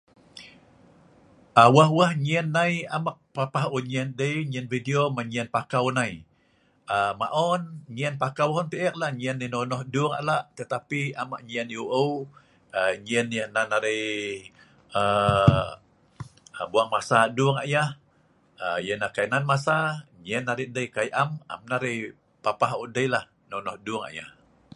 aa weh weh nyein nai am eek papahh wei nyein dei nyein video nyein pakau nai, aa maon nyein pakau eu tah eek la, nonoh dung a'la', tetapi am eek nyein ou'eu.. aa nyein yah nan arai aaa buang masa dung la' yah.. aa kai nan masa, nyein arai dei, kai am..am la arai dei papah eu la.. nonoh dung la' yah